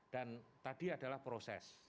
dan tadi adalah berikutnya